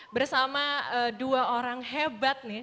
bersama dua orang hebat nih